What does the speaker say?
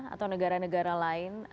atau negara negara lain